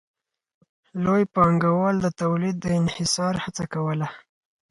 لوی پانګوال د تولید د انحصار هڅه کوله